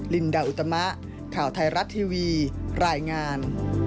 ลินดาอุตมะข่าวไทยรัฐทีวีรายงาน